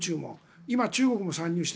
今、中国も参入して。